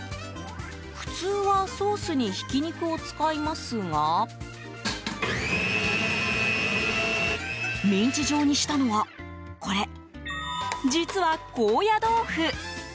普通はソースにひき肉を使いますがミンチ状にしたのはこれ、実は高野豆腐。